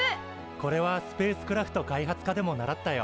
これはスペースクラフト開発科でも習ったよ。